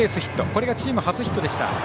これがチーム初ヒットでした。